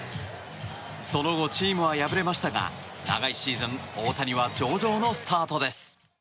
その後チームは敗れましたが長いシーズン、大谷は上々のスタートです。